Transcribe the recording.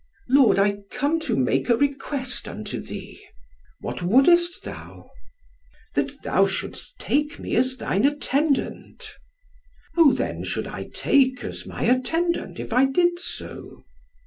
"Lord, I come to make a request unto thee." "What wouldest thou?" "That thou shouldest take me as thine attendant." "Who then should I take as my attendant, if I did so?"